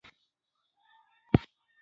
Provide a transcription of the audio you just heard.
يو وارې د ځوانيمرګ صمد